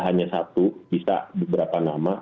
hanya satu bisa beberapa nama